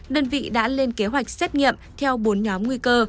đơn vị đã lên kế hoạch xét nghiệm theo bốn nhóm nguy cơ